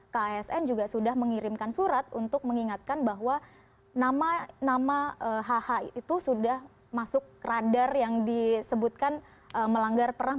kasn juga sudah mengirimkan surat untuk mengingatkan bahwa nama hh itu sudah masuk radar yang disebutkan melanggar perang